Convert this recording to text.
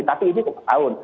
tapi itu lima tahun